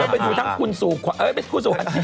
ก็เป็นอยู่ทั้งคุณสู่ขวานเอ๊ะไม่เป็นคุณสู่ขวาน